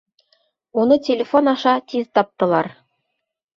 Уны телефон аша тиҙ таптылар.